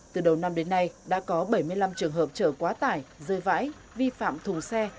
từ đầu năm đến nay đã có bảy mươi năm trường hợp chở quá tải rơi vãi vi phạm thùng xe